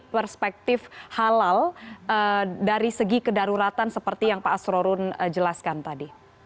perspektif halal dari segi kedaruratan seperti yang pak asrorun jelaskan tadi